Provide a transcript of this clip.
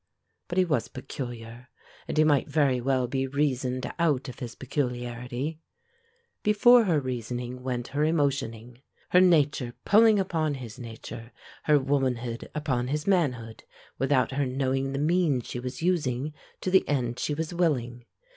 But he was peculiar, and he might very well be reasoned out of his peculiarity. Before her reasoning went her emotioning: her nature pulling upon his nature, her womanhood upon his manhood, without her knowing the means she was using to the end she was willing.